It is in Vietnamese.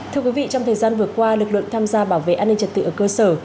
thưa quý vị trong thời gian vừa qua lực lượng tham gia bảo vệ an ninh trật tự ở cơ sở